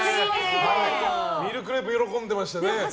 ミルクレープ、喜んでましたね。